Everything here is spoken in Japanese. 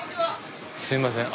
すいません